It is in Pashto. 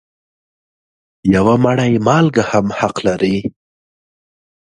یوه مړۍ مالګه هم حق لري.